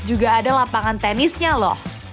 juga ada lapangan tenisnya loh